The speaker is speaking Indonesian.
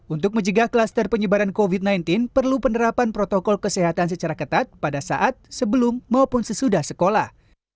untuk mencegah kluster penyebaran covid sembilan belas perlu penerapan protokol kesehatan secara ketat pada saat sebelum maupun sesudah sekolah